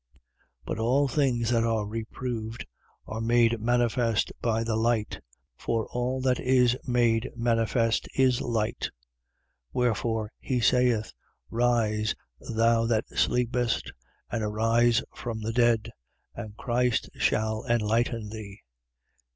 But all things that are reproved are made manifest by the light: for all that is made manifest is light. 5:14. Wherefore he saith: Rise, thou that sleepest, and arise from the dead: and Christ shall enlighten thee.